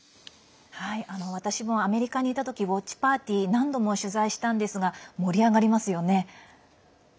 私もアメリカにいたときウォッチパーティー何度も取材したんですが盛り上がりますよね。